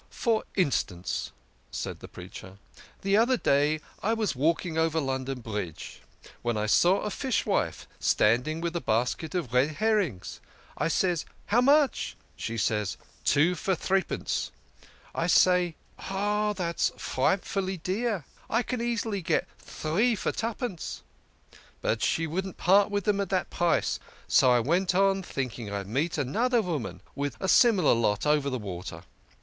" For instance," said the preacher, " the other day I was walking over London Bridge, when I saw a fishwife standing with a basket of red herrings. I says, ' How much ?' She says, ' Two for three halfpence.' I says, ' Oh, that's fright fully dear ! I can easily get three for twopence.' But she wouldn't part with them at that price, so I went on, think ing I'd meet another woman with a similar lot over the water.